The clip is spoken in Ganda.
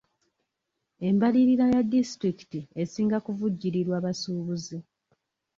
Embalirira ya disitulikiti esinga kuvujjirirwa basuubuzi.